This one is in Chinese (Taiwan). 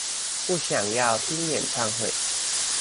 不想要聽演唱會